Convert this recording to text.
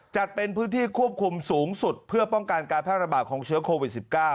จัดเป็นพื้นที่ควบคุมสูงสุดเพื่อป้องกันการแพร่ระบาดของเชื้อโควิด๑๙